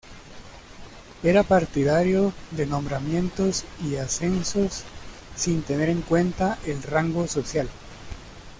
Era partidario de nombramientos y ascensos sin tener en cuenta el rango social.